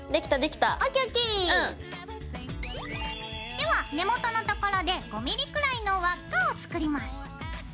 では根元の所で５ｍｍくらいの輪っかを作ります。